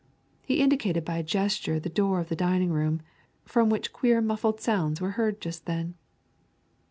He indicated by a gesture the door of the dining room, from which queer muffled sounds were heard just then.